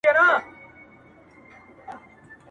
• او محتاجه د لاسونو د انسان دي -